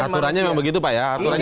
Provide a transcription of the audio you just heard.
masyarakat aturannya memang begitu pak ya